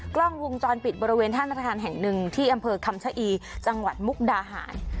กล้องวงจรปิดบริเวณท่าธนาคารแห่งหนึ่งที่อำเภอคำชะอีจังหวัดมุกดาหาร